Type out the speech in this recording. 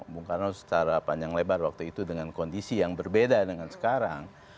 bung karno secara panjang lebar waktu itu dengan kondisi yang berbeda dengan sekarang